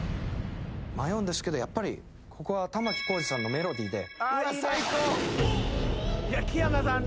迷うんですけどやっぱりここは玉置浩二さんの『メロディー』で。